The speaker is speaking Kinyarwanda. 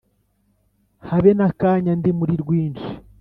habe n'akanya ndi muri rwinshi